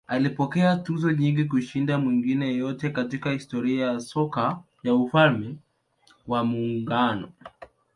Alipokea tuzo nyingi kushinda mwingine yeyote katika historia ya soka ya Ufalme wa Muungano.